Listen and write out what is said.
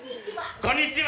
こんにちは。